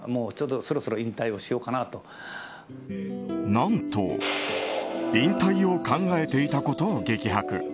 何と引退を考えていたことを激白。